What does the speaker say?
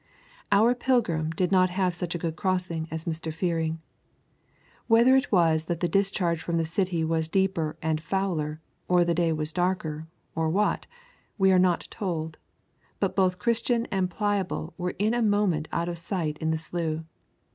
Our pilgrim did not have such a good crossing as Mr. Fearing. Whether it was that the discharge from the city was deeper and fouler, or that the day was darker, or what, we are not told, but both Christian and Pliable were in a moment out of sight in the slough.